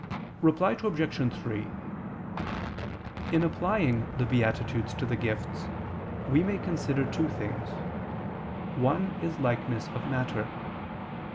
Reply Obj. 3: In applying the beatitudes to the gifts we may consider two things. One is likeness of matter.